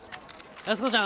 安子ちゃん？